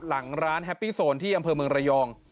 หลังร้านแฮปปี้โซนที่อำเภอเมืองระยอง